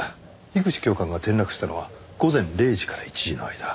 樋口教官が転落したのは午前０時から１時の間。